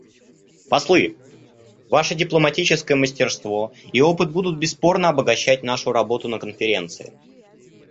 Послы, ваше дипломатическое мастерство и опыт будут бесспорно обогащать нашу работу на Конференции.